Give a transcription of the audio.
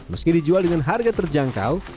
meski dijual dengan harga terjangkau